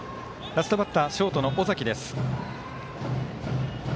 ラストバッター、ショートの尾崎。